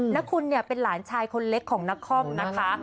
นักคุณเป็นหลานชายคนเล็กของนักคล่อมนะคะ